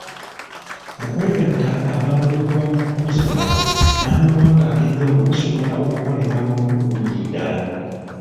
Mu kwegatta, abantu okuva mu kukuzibwa, n'amawanga ag'enjawulo basobola okukolera awamu bulungi ddala.